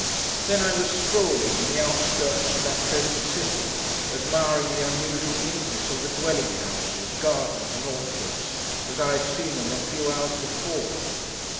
Then, I was strolling in the outskirts of that pleasant city, admiring the unusual neatness of the dwelling houses, gardens, and orchards, as I had seen them a few hours before.